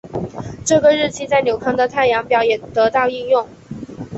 这个日期在纽康的太阳表也得到应用。